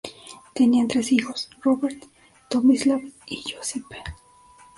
Tenían tres hijos: Robert, Tomislav y Josip.